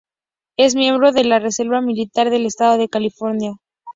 Es miembro de la Reserva Militar del Estado de California.